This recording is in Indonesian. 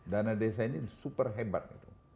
dana desa ini disuper hebat